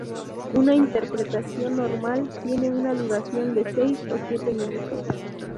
Una interpretación normal tiene una duración de seis o siete minutos.